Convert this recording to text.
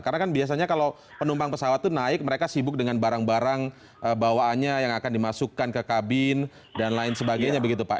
karena kan biasanya kalau penumpang pesawat itu naik mereka sibuk dengan barang barang bawaannya yang akan dimasukkan ke kabin dan lain sebagainya begitu pak